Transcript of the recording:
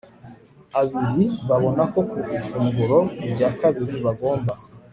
abiri babona ko ku ifunguro rya kabiri bagomba